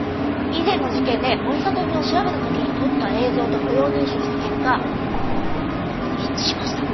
以前の事件で森聡美を調べた時に撮った映像と歩容認証した結果一致しました。